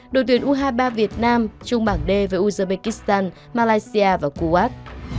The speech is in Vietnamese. đội tuyển u hai mươi ba việt nam chung bảng đê với uzbekistan malaysia và kuwait